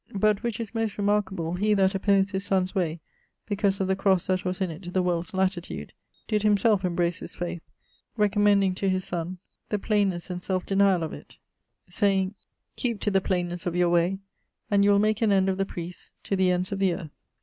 But, which is most remarkeable, he that opposed his sonne's way because of the crosse that was in it to the world's latitude, did himselfe embrace this faith, recommending to his son the plainesse and selfe deniall of it, sayeing 'Keep to the plainesse of your way, and you will make an end of the priests to the ends of the earth.'